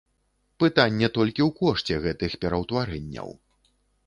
Пытанне толькі ў кошце гэтых пераўтварэнняў.